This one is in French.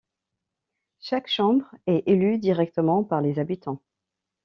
Chaque Chambre est élue directement par les habitants.